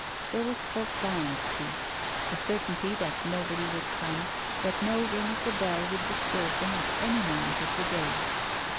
There was profound peace, the certainty that nobody would come, that no ring at the bell would disturb them at any moment of the day.